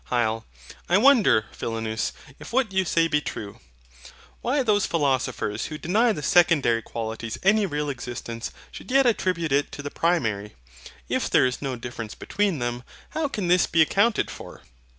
HYL. I wonder, Philonous, if what you say be true, why those philosophers who deny the Secondary Qualities any real existence should yet attribute it to the Primary. If there is no difference between them, how can this be accounted for?